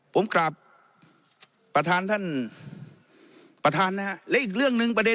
ผมกลับประธานท่านประธานนะฮะและอีกเรื่องหนึ่งประเด็น